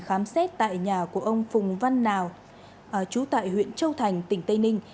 khám xét tại nhà của ông phùng văn nào trú tại huyện châu thành tỉnh tây ninh